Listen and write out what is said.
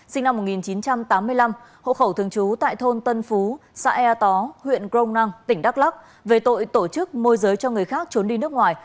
xã e tó huyện grong năng tỉnh đắk lắc về tội tổ chức môi giới cho người khác trốn đi nước ngoài